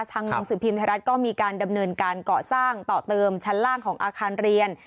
ทางบิญาณศึกษาปรีมธรรยะรัฐก็มีการดำเนินการเกาะสร้างต่อเติมชั้นล่างของอาคารเรียน